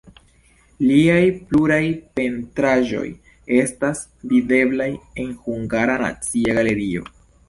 Liaj pluraj pentraĵoj estas videblaj en Hungara Nacia Galerio.